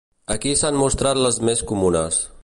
Aquí s'han mostrat les més comunes.